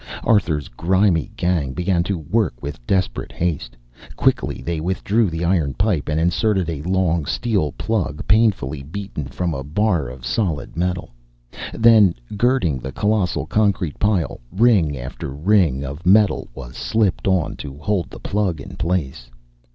Arthur's grimy gang began to work with desperate haste. Quickly they withdrew the iron pipe and inserted a long steel plug, painfully beaten from a bar of solid metal. Then, girding the colossal concrete pile, ring after ring of metal was slipped on, to hold the plug in place.